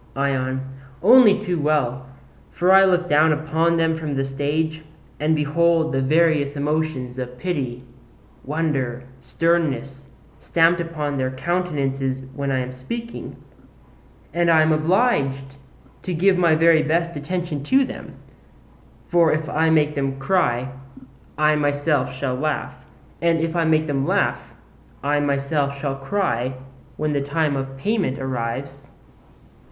ION: Only too well; for I look down upon them from the stage, and behold the various emotions of pity, wonder, sternness, stamped upon their countenances when I am speaking: and I am obliged to give my very best attention to them; for if I make them cry I myself shall laugh, and if I make them laugh I myself shall cry when the time of payment arrives.